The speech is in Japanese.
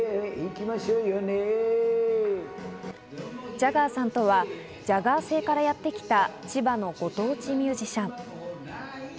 ジャガーさんとはジャガー星からやってきた千葉のご当地ミュージシャン。